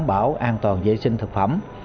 đảm bảo an toàn vệ sinh thực phẩm